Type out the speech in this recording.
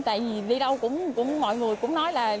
tại vì đi đâu cũng mọi người cũng nói là